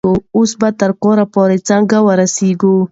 اوس به تر کوره پورې څنګه ورسیږي؟